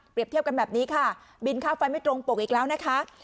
เทียบกันแบบนี้ค่ะบินค่าไฟไม่ตรงปกอีกแล้วนะคะ